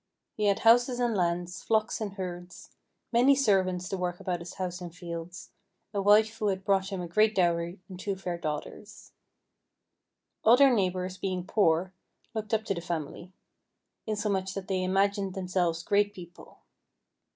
He had houses and lands, flocks and herds, many servants to work about his house and fields, a wife who had brought him a great dowry, and two fair daughters. All their neighbours, being poor, looked up to the family insomuch that they imagined themselves great people.